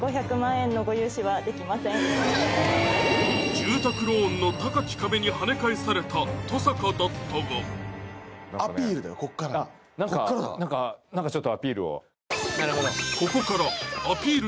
住宅ローンの高き壁に跳ね返された登坂だったが何か何か何かちょっとアピールをここからアピール